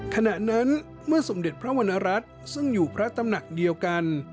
ขณะนั้นเมื่อสมเด็จพระวรรณรัฐซึ่งอยู่พระตำหนักเดียวกัน